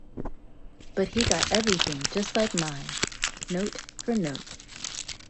But he got everything just like mine, note for note.